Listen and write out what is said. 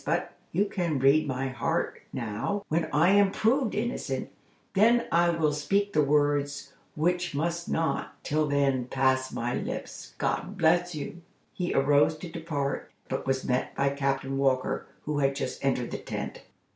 But, you can read my heart now. When I am proved innocent, then I will speak the words which must not, till then, pass my lips. God bless you!" He arose to depart, but was met by Captain Walker, who had just entered the tent.